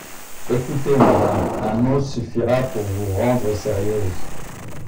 Écoutez, madame, un mot suffira pour vous rendre sérieuse.